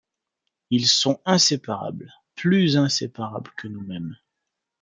Ils sont inséparables, plus inséparables que nous-mêmes.